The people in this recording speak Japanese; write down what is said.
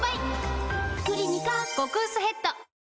「クリニカ」極薄ヘッド